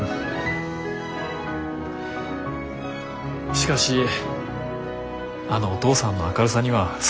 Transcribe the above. しかしあのお父さんの明るさには救われますね。